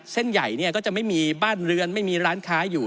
เส้นใหญ่เนี่ยก็จะไม่มีบ้านเรือนไม่มีร้านค้าอยู่